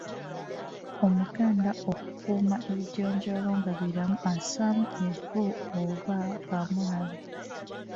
Omuganda okukuuma ebijanjaalo nga biramu assaamu evvu oba kaamulari.